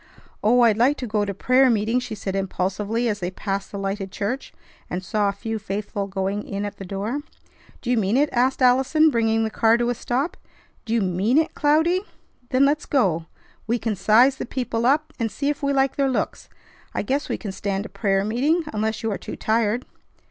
"Oh! I'd like to go to prayer meeting!" she said impulsively as they passed the lighted church, and saw a few faithful going in at the door. "Do you mean it?" asked Allison, bringing the car to a stop. "Do you mean it, Cloudy? Then let's go. We can size the people up, and see if we like their looks. I guess we can stand a prayer meeting unless you are too tired."